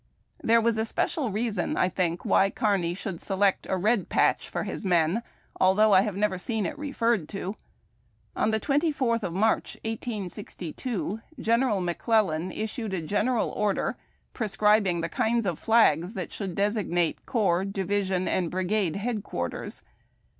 There was a special reason, I tldnk, why Kearny should select a red patch for his men, although 1 have never seen it referred to. On the 24th of March, 1862, General McClellan issued a general order prescribing the kinds of flags that should designate corps, division, and brigade head quarters.